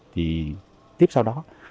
thì tiếp sau đó